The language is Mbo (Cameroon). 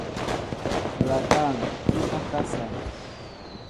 Flapan tí a akasá.